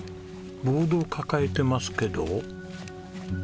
ボードを抱えてますけど？